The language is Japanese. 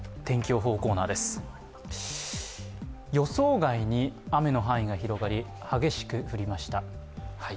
予想外に雨の範囲が広がり激しく降りました。